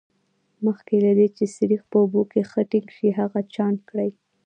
مخکې له دې چې سريښ په اوبو کې ښه ټینګ شي هغه چاڼ کړئ.